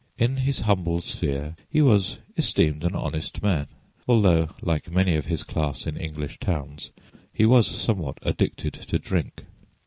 In his humble sphere he was esteemed an honest man, although like many of his class in English towns he was somewhat addicted to drink.